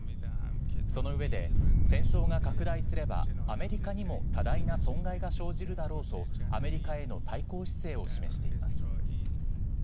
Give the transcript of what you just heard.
その上で、戦争が拡大すれば、アメリカにも多大な損害が生じるだろうとアメリカへの対抗姿勢を示しています。